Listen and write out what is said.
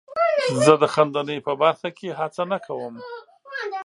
زه د خندنۍ په برخه کې هڅه نه کوم.